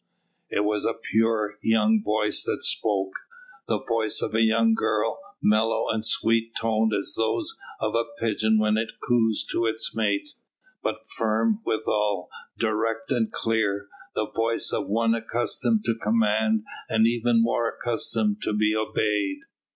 It was a pure, young voice that spoke, the voice of a young girl, mellow and soft toned as those of a pigeon when it cooes to its mate; but firm withal, direct and clear, the voice of one accustomed to command and even more accustomed to be obeyed.